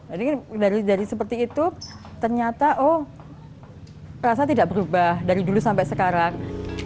jadi dari seperti itu ternyata oh rasa tidak berubah dari dulu sampai sekarang